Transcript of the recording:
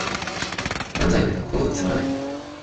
漫才のネタがことごとくつまらない